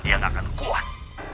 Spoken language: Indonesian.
dia gak akan kuat